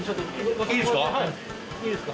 いいですか？